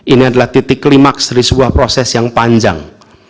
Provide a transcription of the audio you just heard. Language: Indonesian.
ini adalah titik klimaks dari sebuah proses yang panjang